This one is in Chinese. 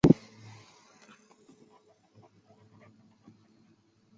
他是由比光索的长男。